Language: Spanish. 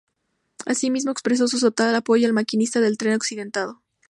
Asimismo, expresó su total apoyo al maquinista del tren accidentado.